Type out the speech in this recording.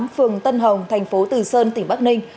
phường tân hồng thành phố từ sơn tỉnh bắc ninh